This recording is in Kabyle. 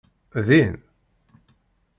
Din?